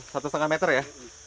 satu setengah meter ya